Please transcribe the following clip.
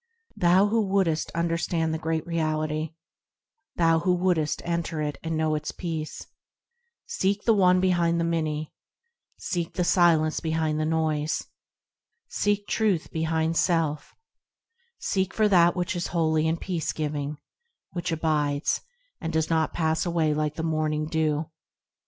Thou who wouldst understand the Great Reality ; Thou who would'st enter it, and know its peace; Seek the One behind the many, Seek the Silence behind the noise, Seek Truth behind self ; Seek for that which is holy and peace giving, Which abides, and does not pass away like the morning dew.